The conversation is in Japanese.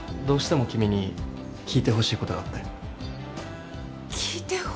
どうしても君に聞いてほしいことがあって。